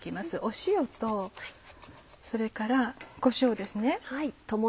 塩とそれからこしょうです。